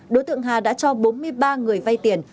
đối tượng hà đã cho bốn mươi ba người vay tiền